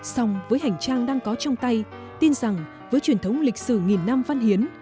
xong với hành trang đang có trong tay tin rằng với truyền thống lịch sử nghìn năm văn hiến